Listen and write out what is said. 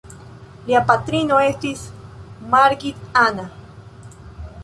Lia patrino estis Margit Anna.